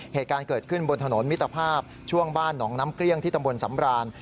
เหตุการณ์เกิดขึ้นบนถนนมิตรภาพช่วงบ้านหนองน้ำเกลี้ยงที่ตำบลสำราน